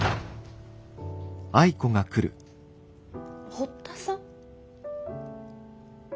堀田さん？